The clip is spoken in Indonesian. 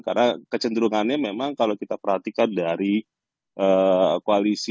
karena kecenderungannya memang kalau kita perhatikan dari koalisi